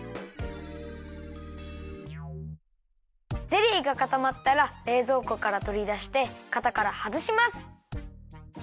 ゼリーがかたまったられいぞうこからとりだしてかたからはずします。